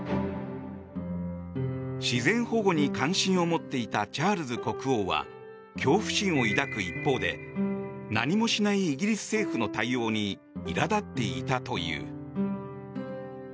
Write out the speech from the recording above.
自然保護に関心を持っていたチャールズ国王は恐怖心を抱く一方で何もしないイギリス政府の対応にいら立っていたという。